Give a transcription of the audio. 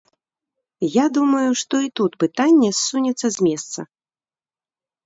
Я думаю, што і тут пытанне ссунецца з месца.